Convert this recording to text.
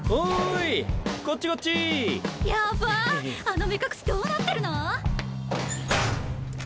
あの目隠しどうなってるの？